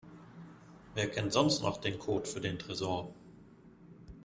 Wer kennt sonst noch den Code für den Tresor?